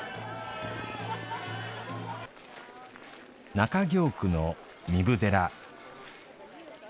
中京区の壬生寺。